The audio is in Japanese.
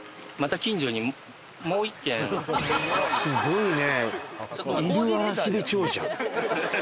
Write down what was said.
すごいね。